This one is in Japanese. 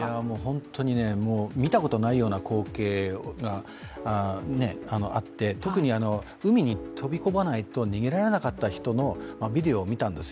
本当に見たことないような光景があって特に、海に飛び込まないと逃げられなかった人のビデオを見たんです。